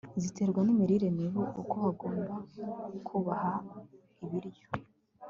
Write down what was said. ziterwa n'imirire mibi uko bagomba kubaha ibiryo